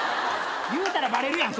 言うたらバレるやん